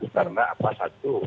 karena apa satu